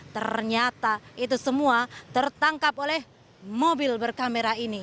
ternyata itu semua tertangkap oleh mobil berkamera ini